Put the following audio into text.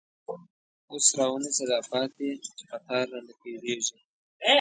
اوس راونیسه داپاتی، چی قطار رانه تير یږی